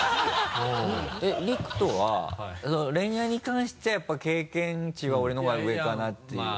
陸斗は恋愛に関してやっぱり経験値は俺の方が上かなっていう。